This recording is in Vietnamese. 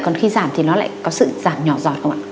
còn khi giảm thì nó lại có sự giảm nhỏ dọt không ạ